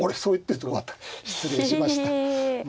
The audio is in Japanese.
失礼しました。